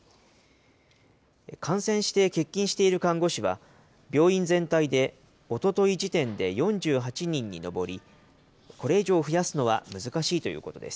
感染して欠勤している看護師は、病院全体でおととい時点で４８人に上り、これ以上増やすのは難しいということです。